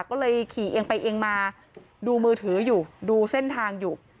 ก็เลยขี่เอียงไปเอียงมาดูมือถืออยู่ดูเส้นทางอยู่